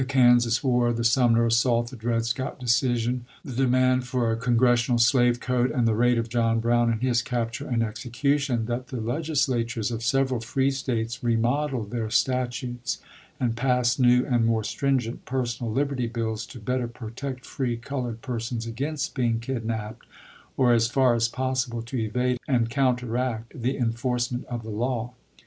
Kansas war, the Sumner assault, the Dred Scott decision, the demand for a Congressional slave code, and the raid of John Brown and his capture and execution — that the Legislatures of several free States remodeled their statutes and passed new and more stringent personal liberty bills, to better protect free colored persons against being kid naped, or as far as possible to evade and counter act the enforcement of the law.